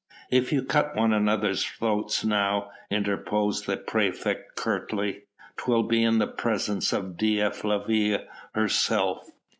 "If you cut one another's throats now," interposed the praefect curtly, "'twill be in the presence of Dea Flavia herself."